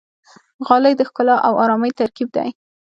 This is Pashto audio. غالۍ د ښکلا او آرامۍ ترکیب دی.